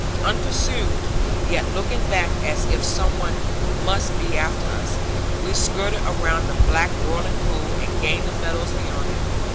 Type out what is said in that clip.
Unpursued, yet looking back as if some one must be after us, we skirted round the black whirling pool, and gained the meadows beyond it.